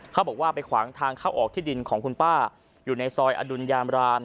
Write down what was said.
เขาบอกว่าไปขวางทางเข้าออกที่ดินของคุณป้าอยู่ในซอยอดุลยามราม